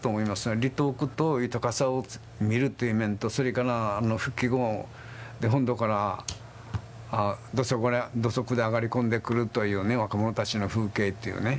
離島苦と豊かさを見るっていう面とそれから復帰後本土から土足で上がり込んでくるというね若者たちの風景っていうね。